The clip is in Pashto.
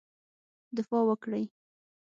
دفاع وکړی.